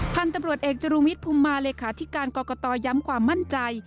พันธุ์ตำรวจเอกจรุวิทย์ภูมิมาเลขาธิการกรกตย้ำความมั่นใจ